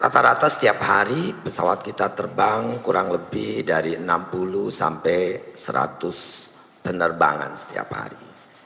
rata rata setiap hari pesawat kita terbang kurang lebih dari enam puluh sampai seratus penerbangan setiap hari